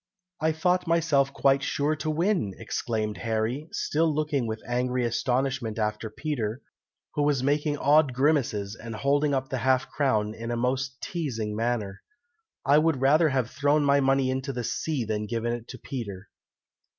"I thought myself quite sure to win!" exclaimed Harry, still looking with angry astonishment after Peter, who was making odd grimaces, and holding up the half crown in a most teazing manner. "I would rather have thrown my money into the sea than given it to Peter."